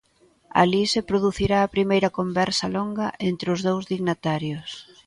Alí se producira a primeira conversa longa entre os dous dignatarios.